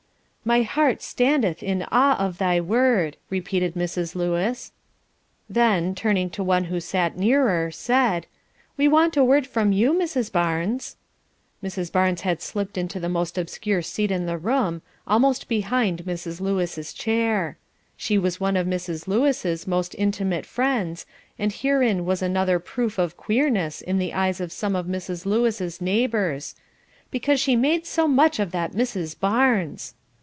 "My heart standeth in awe of thy word," repeated Mrs. Lewis; then, turning to one who sat near her, said, "We want a word from you, Mrs. Barnes." Mrs. Barnes had slipped into the most obscure seat in the room, almost behind Mrs. Lewis' chair. She was one of Mrs. Lewis' most intimate friends, and herein was another proof of "queerness" in the eyes of some of Mrs. Lewis' neighbours, "because she made so much of that Mrs. Barnes."